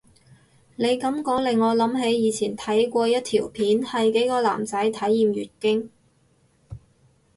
你噉講令我諗起以前睇過一條片係幾個男仔體驗月經